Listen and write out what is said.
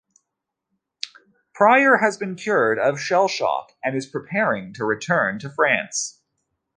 Prior has been cured of shell-shock and is preparing to return to France.